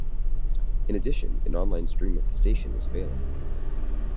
In addition, an online stream of the station is available.